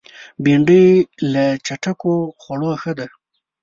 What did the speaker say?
بېنډۍ له چټکو خوړو ښه ده